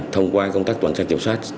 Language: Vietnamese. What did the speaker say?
thông qua công tác toàn trang kiểm soát